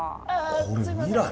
これ未来？